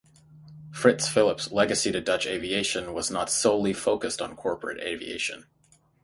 Frits Philips legacy to Dutch aviation was not solely focused on corporate aviation.